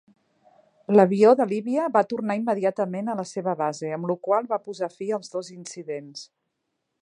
L'avió de Líbia va tornar immediatament a la seva base, amb lo qual va posar fi als dos incidents.